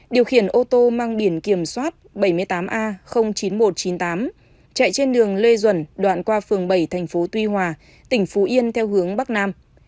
điều khiển ô tô mang biển kiểm soát bảy mươi tám a chín nghìn một trăm chín mươi tám chạy trên đường lê duẩn đoạn qua phường bảy thành phố tuy hòa tỉnh phú yên theo hướng bắc nam